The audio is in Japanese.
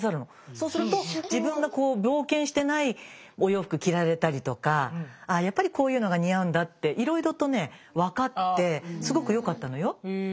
そうすると自分が冒険してないお洋服着られたりとかやっぱりこういうのが似合うんだっていろいろとね分かってすごく良かったのよ。